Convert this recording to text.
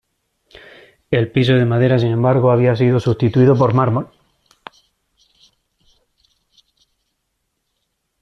El piso de madera sin embargo había sido sustituido por mármol.